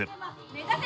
目指せ！